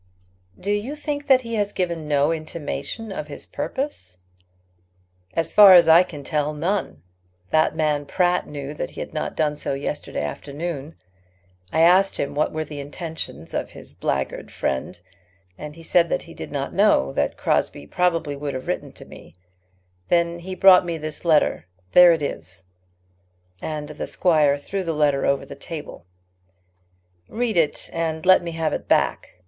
"Do you think that he has given no intimation of his purpose?" "As far as I can tell, none. That man Pratt knew that he had not done so yesterday afternoon. I asked him what were the intentions of his blackguard friend, and he said that he did not know that Crosbie would probably have written to me. Then he brought me this letter. There it is," and the squire threw the letter over the table; "read it and let me have it back.